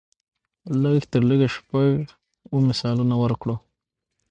لږ تر لږه شپږ اووه مثالونه ورکړو.